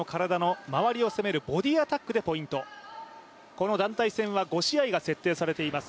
この団体戦は５試合が設定されています。